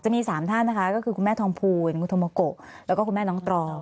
มี๓ท่านนะคะก็คือคุณแม่ทองภูลคุณธโมโกะแล้วก็คุณแม่น้องตรอง